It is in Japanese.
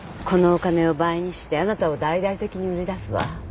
このお金を倍にしてあなたを大々的に売り出すわ。